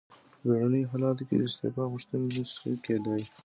په بیړنیو حالاتو کې د استعفا غوښتنه نشي کیدای.